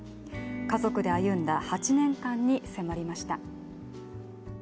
家族で歩んだ８年間に迫りました。